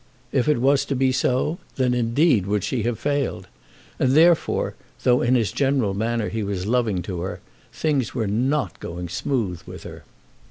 If it was to be so, then indeed would she have failed. And, therefore, though in his general manner he was loving to her, things were not going smooth with her.